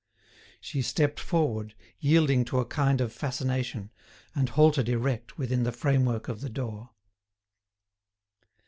She stepped forward, yielding to a kind of fascination, and halted erect within the framework of the door.